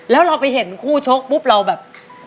แล้วเราไปเห็นคู่ชกปุ๊บเราแบบ